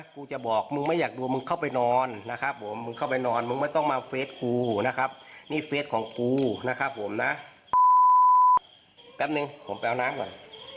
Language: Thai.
ถวงเงินคอแห้งเลยคอแห้งเลย